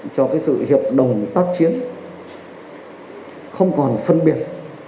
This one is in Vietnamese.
cho cái sự hiệp đồng tác chiến không còn phân biệt